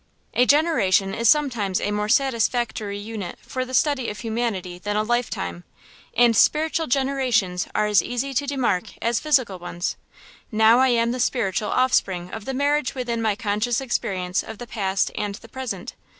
A generation is sometimes a more satisfactory unit for the study of humanity than a lifetime; and spiritual generations are as easy to demark as physical ones. Now I am the spiritual offspring of the marriage within my conscious experience of the Past and the Present.